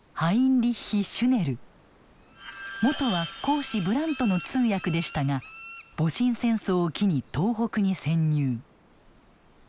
もとは公使ブラントの通訳でしたが戊辰戦争を機に東北に潜入。